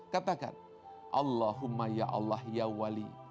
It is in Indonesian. katakan allahumma ya allah ya wali